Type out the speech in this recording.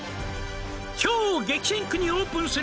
超激戦区にオープンする」